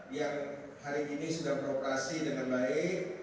yang hari ini sudah beroperasi dengan baik